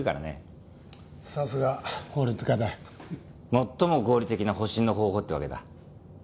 最も合理的な保身の方法ってわけだ。